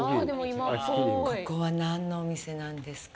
ここは何のお店なんですか。